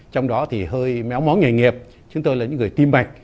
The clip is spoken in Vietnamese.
trong đó thì hơi méo móng nghề nghiệp chúng tôi là những người tiêm bệnh